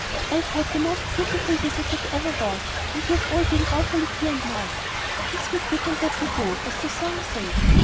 I've had the most beautiful visit that ever was, and you've all been awfully dear and nice. 'Kiss me quick and let me go,' as the song says.